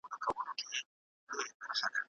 ټولنه د انسانانو مجموعه ده.